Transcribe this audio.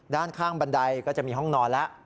ด้านข้างบันไดก็จะมีห้องนอนแล้ว